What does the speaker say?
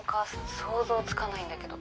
想像つかないんだけど。